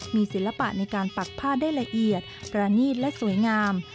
มีศิลปะในการปักผ้าได้ละเอียดประณีตและสวยงาม